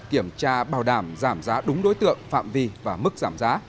kiểm tra bảo đảm giảm giá đúng đối tượng phạm vi và mức giảm giá